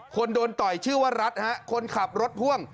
คนโดนต่อยชื่อว่ารัฐฮะคนขับรถพ่วง